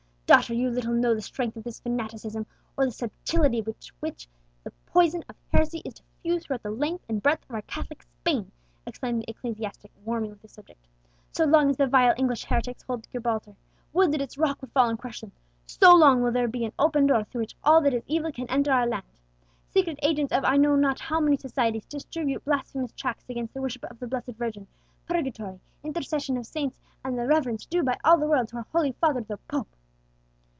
"Daughter, you little know the strength of this fanaticism, or the subtilty with which the poison of heresy is diffused throughout the length and breadth of our Catholic Spain!" exclaimed the ecclesiastic, warming with his subject. "So long as the vile English heretics hold Gibraltar, would that its rock would fall and crush them! so long will there be an open door through which all that is evil can enter our land! Secret agents of I know not how many societies distribute blasphemous tracts against the worship of the blessed Virgin, Purgatory, Intercession of Saints, and the reverence due by all the world to our holy Father the Pope!"